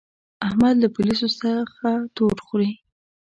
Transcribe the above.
احمد له پوليسو څخه تور خوري.